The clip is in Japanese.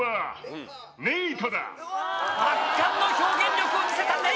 圧巻の表現力を見せたネイト。